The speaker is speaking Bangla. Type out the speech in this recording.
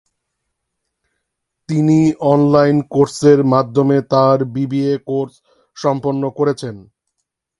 তিনি অনলাইন কোর্সের মাধ্যমে তাঁর বিবিএ কোর্স সম্পন্ন করেছেন।